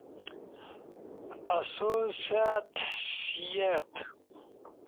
آسو سأت، سیات